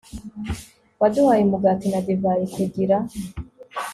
waduhaye umugati na divayi kugira